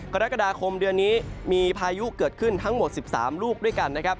กรกฎาคมเดือนนี้มีพายุเกิดขึ้นทั้งหมด๑๓ลูกด้วยกันนะครับ